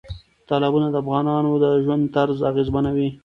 تالابونه د افغانانو د ژوند طرز اغېزمنوي.